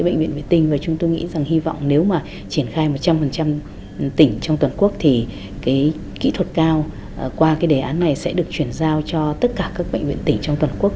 bệnh viện vệ tinh và chúng tôi nghĩ rằng hy vọng nếu mà triển khai một trăm linh tỉnh trong toàn quốc thì cái kỹ thuật cao qua cái đề án này sẽ được chuyển giao cho tất cả các bệnh viện tỉnh trong toàn quốc